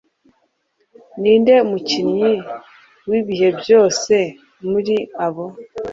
Ni nde mukinnyi w'bihe byose muri abo